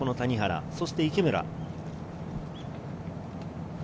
そして池村。